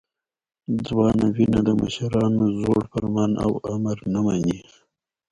ځوانه وینه د مشرانو زوړ فرمان او امر نه مني.